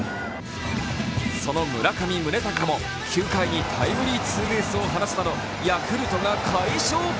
その村上宗隆も９回にタイムリーツーベースを放つなどヤクルトが快勝。